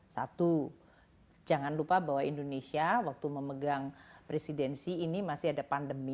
satu jangan lupa bahwa indonesia waktu memegang presidensi ini masih ada pandemi